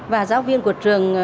và giáo viên của trường